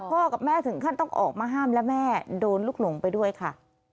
กับแม่ถึงขั้นต้องออกมาห้ามและแม่โดนลูกหลงไปด้วยค่ะ